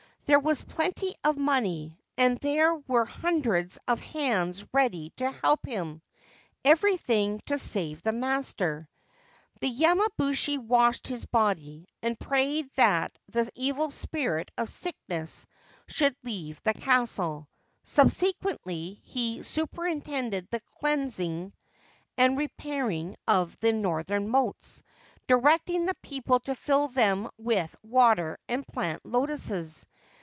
There was plenty of money, and there were hundreds of hands ready to help him — anything to save the master. The yamabushi washed his body, and prayed that the evil spirit of sickness should leave the castle. Subsequently he superintended the cleansing and repairing of the northern moats, directing the people to fill them with water and plant lotuses.